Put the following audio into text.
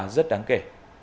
rất đáng kể